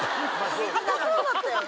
硬そうだったよね。